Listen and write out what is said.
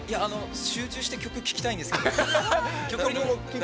集中して曲、聴きたいんですけど。